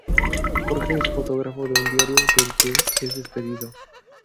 Jorge es fotógrafo de un diario, del que es despedido.